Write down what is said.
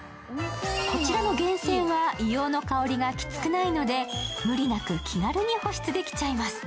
こちらの源泉は硫黄の香りがきつくないので、無理なく気軽に保湿できちゃいます。